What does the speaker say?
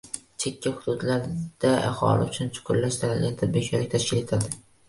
Chekka hududlarda aholi uchun chuqurlashtirilgan tibbiy ko‘rik tashkil etildi